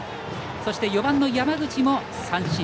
そして、４番の山口も三振。